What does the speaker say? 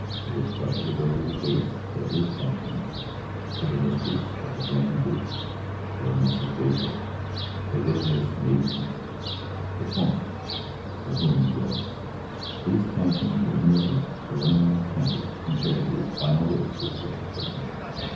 It was quite literally the case that his passionsfor the mistress of the Grand Duke, for Mrs Basil, for little Mrs Maidan, for Florence, for whom you willthese passions were merely preliminary canters compared to his final race with death for her.